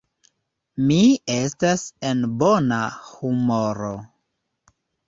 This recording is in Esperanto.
Mi estas en bona humoro.